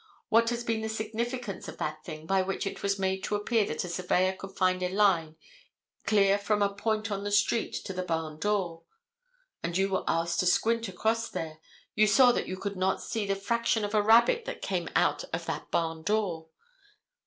What has been the significance of that thing by which it was made to appear that a surveyor could find a line clear from a point on the street to the barn door? And you were asked to squint across there. You saw that you could not see the fraction of a rabbit that came out of that barn door.